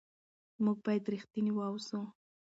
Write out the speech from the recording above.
موږ باید رښتیني واوسو.